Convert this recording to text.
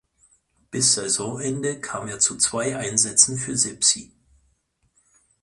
Bis Saisonende kam er zu zwei Einsätzen für Sepsi.